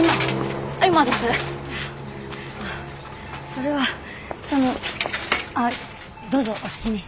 それはそのどうぞお好きに。